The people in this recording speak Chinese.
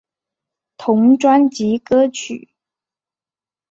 同专辑歌曲。